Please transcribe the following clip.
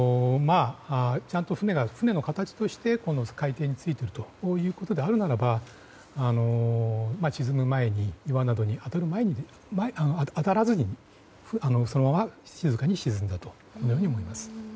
ちゃんと船の形として海底についているということであるならば沈む前、岩などに当たらずにそのまま静かに沈んだというふうに思います。